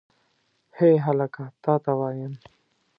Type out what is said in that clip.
هې هلکه تا ته وایم.